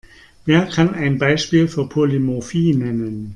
Wer kann ein Beispiel für Polymorphie nennen?